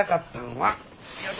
はい。